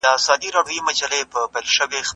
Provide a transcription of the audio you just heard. د بدن بوی د ژنونو او باکتریاوو پورې تړلی دی.